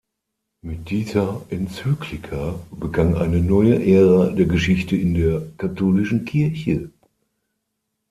Mit dieser Enzyklika begann eine neue Ära der Geschichte in der katholischen Kirche.